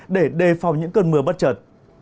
để đề phòng những cơn mưa bất trật